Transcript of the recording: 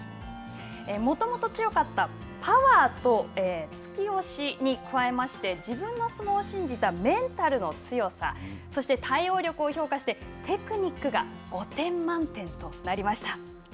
もともと強かったパワーと突き押しに加えまして自分の相撲を信じたメンタルの強さ、そして、対応力を評価してテクニックが５点満点となりました。